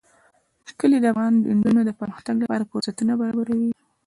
کلي د افغان نجونو د پرمختګ لپاره فرصتونه برابروي.